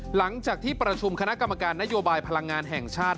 หลังจากที่ประชุมคณะกรรมการนโยบายพลังงานแห่งชาติ